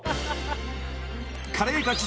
カレーガチ